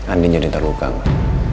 andin jadi terluka ma